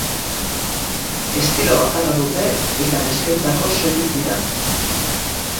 Estilo bakarra dute eta neskentzako soilik dira.